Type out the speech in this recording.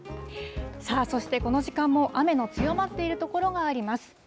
さあ、そしてこの時間も雨の強まっている所があります。